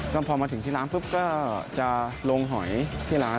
ก็พอมาถึงที่ร้านปุ๊บก็จะลงหอยที่ร้าน